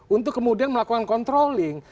untuk kemudian melakukan controlling